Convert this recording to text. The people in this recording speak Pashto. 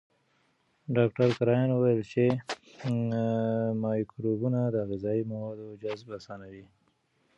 ډاکټر کرایان وویل چې مایکروبونه د غذایي موادو جذب اسانوي.